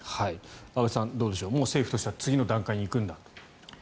安部さん、どうでしょう政府としては次の段階に行くんだと。